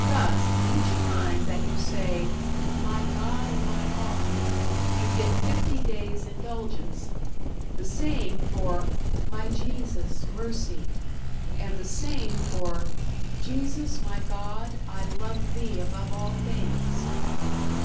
Thus, each time that you say "My God and my all," you get fifty days indulgence; the same for "My Jesus, mercy," and the same for "Jesus, my God, I love Thee above all things."